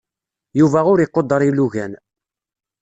Yuba ur iquder ilugan.